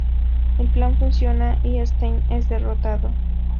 El plan funciona, y Stane es derrotado.